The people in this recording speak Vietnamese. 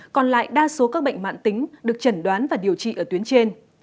còn lại đa số các bệnh mạng tính được chẩn đoán và điều trị ở tuyến trên